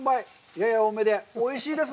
やや多めで、おいしいです。